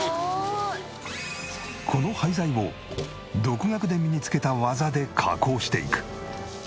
この廃材を独学で身につけた技で加工していく。